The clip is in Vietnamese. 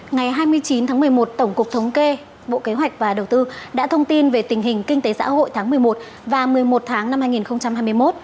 ngày hai mươi chín tháng một mươi một tổng cục thống kê bộ kế hoạch và đầu tư đã thông tin về tình hình kinh tế xã hội tháng một mươi một và một mươi một tháng năm hai nghìn hai mươi một